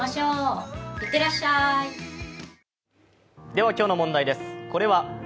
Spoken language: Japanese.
では今日の問題です。